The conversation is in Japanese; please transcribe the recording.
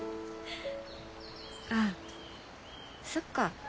あそっか。